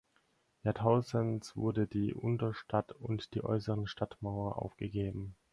Jahrtausends wurde die Unterstadt und die äußere Stadtmauer aufgegeben.